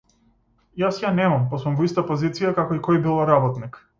Јас ја немам, па сум во иста позиција како и кој било работник.